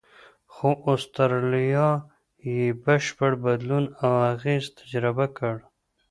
خو استرالیا یې بشپړ بدلون او اغېز تجربه کړ.